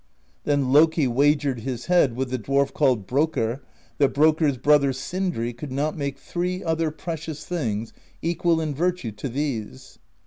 Then Loki wagered his head with the dwarf called Brokkr that Brokkr's brother Sindri could not make three other precious things equal in virtue to these.